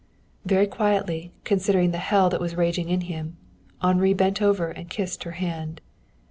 Very quietly, considering the hell that was raging in him, Henri bent over and kissed her hand.